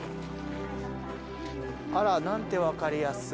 あら何て分かりやすい。